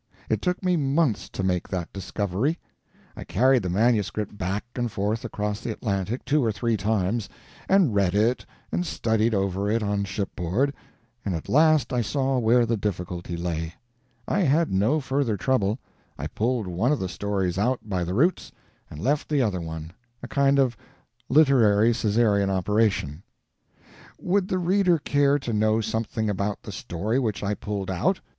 It took me months to make that discovery. I carried the manuscript back and forth across the Atlantic two or three times, and read it and studied over it on shipboard; and at last I saw where the difficulty lay. I had no further trouble. I pulled one of the stories out by the roots, and left the other one a kind of literary Caesarean operation. Would the reader care to know something about the story which I pulled out?